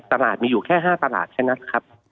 ตลาดมีอยู่แค่๕ตลาดแค่นั้นครับ